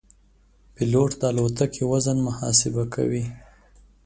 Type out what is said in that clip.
پیلوټ د الوتکې وزن محاسبه کوي.